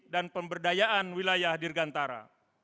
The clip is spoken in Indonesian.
dan pemberdayaan wilayah dirgantara